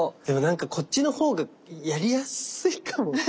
でも何かこっちの方がやりやすいかも。